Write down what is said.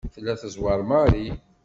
Tella tezweṛ Mary.